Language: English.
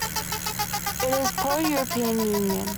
It is pro-European Union.